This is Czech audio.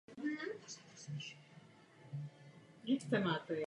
Pro magazín "Spin" zase vytvořil sloupec.